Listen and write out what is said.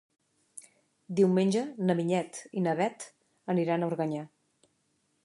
Diumenge na Vinyet i na Bet aniran a Organyà.